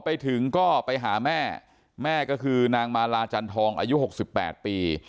ไปถึงก็ไปหาแม่แม่ก็คือนางมาลาจันทองอายุ๖๘ปี